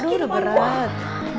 aduh udah berat